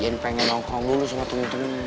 jan pengen nongkrong dulu sama temen temennya